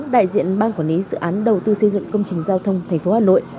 đại diện bang quản lý dự án đầu tư xây dựng công trình giao thông thành phố hà nội